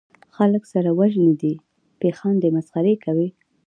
خلک سره وژني دي پې خاندي مسخرې کوي